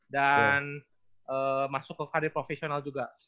dan masuk ke karir profesional juga